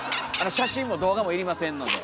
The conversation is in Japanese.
写真も動画も要りませんので。